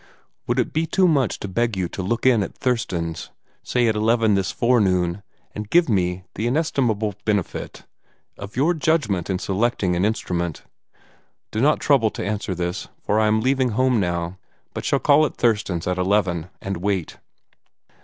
"Would it be too much to beg you to look in at Thurston's, say at eleven this forenoon, and give me the inestimable benefit of your judgment in selecting an instrument? "Do not trouble to answer this, for I am leaving home now, but shall call at Thurston's at eleven, and wait.